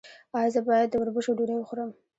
ایا زه باید د وربشو ډوډۍ وخورم؟